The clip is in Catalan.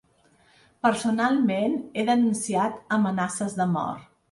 Personalment, he denunciat amenaces de mort.